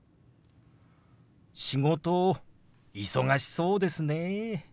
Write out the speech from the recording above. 「仕事忙しそうですね」。